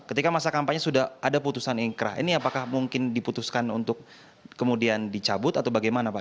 ketika masa kampanye sudah ada putusan ingkrah ini apakah mungkin diputuskan untuk kemudian dicabut atau bagaimana pak